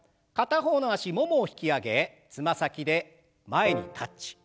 片方の脚ももを引き上げつま先で前にタッチ。